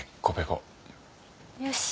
よし。